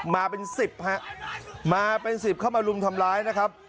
มาเป็นสิบฮะมาเป็นสิบเข้ามารุมทำร้ายนะครับ